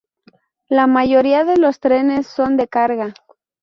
La mayoría de los trenes son de carga.